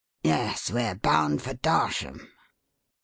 "Yes; we're bound for Darsham."